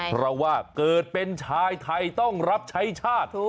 เพราะว่าเกิดเป็นชายไทยต้องรับใช้ชาติ